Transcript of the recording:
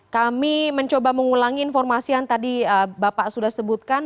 kami mencoba mengulangi informasi yang tadi bapak sudah sebutkan